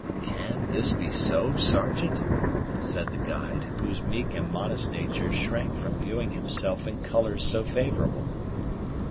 "Can this be so, Sergeant?" said the guide, whose meek and modest nature shrank from viewing himself in colors so favorable.